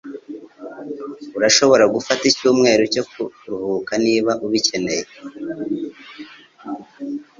Urashobora gufata icyumweru cyo kuruhuka niba ubikeneye.